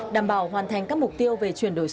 đảm bảo hoàn thành các mục tiêu về chuyển đổi số